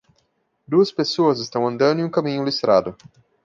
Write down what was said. Duas pessoas estão andando em um caminho listrado.